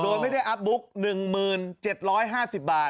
โดยไม่ได้อัพบุ๊ก๑๗๕๐บาท